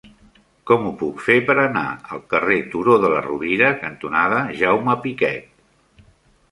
Com ho puc fer per anar al carrer Turó de la Rovira cantonada Jaume Piquet?